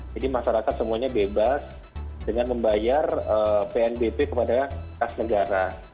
jadi masyarakat semuanya bebas dengan membayar pnbp kepada kas negara